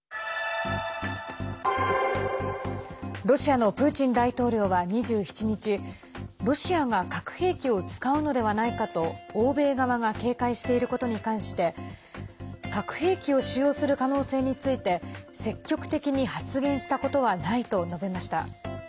ロシアのプーチン大統領は２７日、ロシアが核兵器を使うのではないかと欧米側が警戒していることに関して核兵器を使用する可能性について積極的に発言したことはないと述べました。